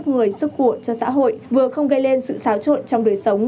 người sức của cho xã hội vừa không gây lên sự xáo trộn trong đời sống